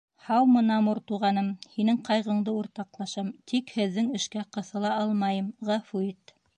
— Һаумы, Намур туғаным! һинең ҡайғыңды уртаҡлашам, тик һеҙҙең эшкә ҡыҫыла алмайым, ғәфү ит.